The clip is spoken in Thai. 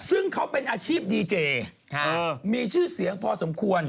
ซึ่งเขาเป็นอาชีพดีเจมีชื่อเสียงพอสมควร